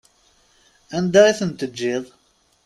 Anda i ten-teǧǧiḍ?